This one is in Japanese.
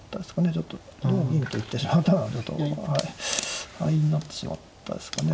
ちょっと同銀と行ってしまったのがちょっと敗因になってしまったですかね。